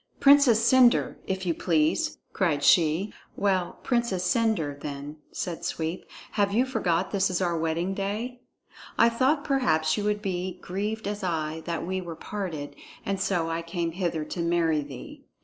"Princess Cendre, if you please!" cried she. "Well, Princess Cendre, then," said Sweep. "Have you forgot that this is our wedding day? I thought perhaps you would be grieved as I that we were parted, and so I came hither to marry thee."